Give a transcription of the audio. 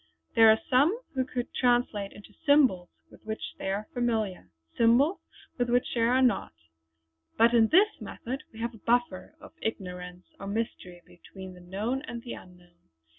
There are some who could translate into symbols with which they are familiar, symbols with which they are not; but in this method we have a buffer of ignorance or mystery between the known and the unknown.